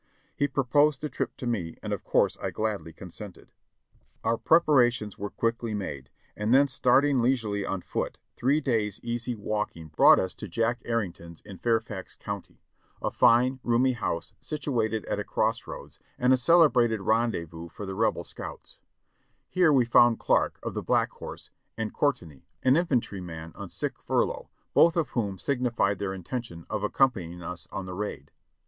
He proposed the trip to me and of course I gladly consented. Our preparations were quickly made, and then starting leisurely on foot, three days' easy walking brought us to Jack Arrington's in Fairfax County; a fine, roomy house situated at a cross roads, and a celebrated rendezvous for the Rebel scouts. 6l2 JOHNNY REB AND BILLY YANK Here we found Clarke, of the Black Horse, and Courtenay, an infantryman on sick furlough, both of whom signified their inten tion of accompanying us on the raid.